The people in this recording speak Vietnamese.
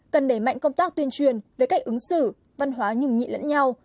cần đẩy mạnh công tác tuyên truyền về cách ứng xử văn hóa nhường nhị lẫn nhau